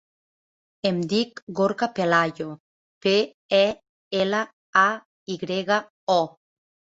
Em dic Gorka Pelayo: pe, e, ela, a, i grega, o.